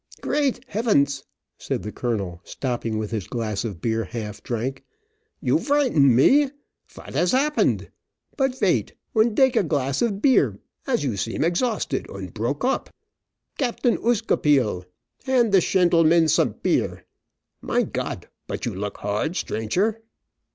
"Great hefens," said the colonel, stopping with his glass of beer half drank, "you vrighten me. Vot has habbened. But vait, und dake a glass of beer, as you seem exhausted, und proke up. Captain Ouskaspiel, hand the shendleman some peer. Mine Gott, bud you look hard, strancher."